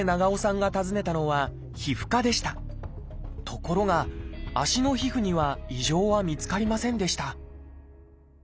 ところが足の皮膚には異常は見つかりませんでした